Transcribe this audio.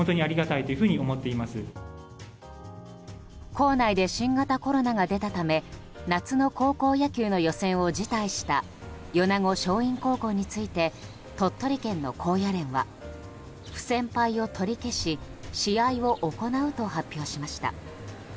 校内で新型コロナが出たため夏の高校野球の予選を辞退した米子松蔭高校について鳥取県の高野連は不戦敗を取り消し試合を行うと発表しました。